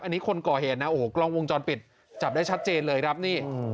อันนี้คนก่อเหตุนะโอ้โหกล้องวงจรปิดจับได้ชัดเจนเลยครับนี่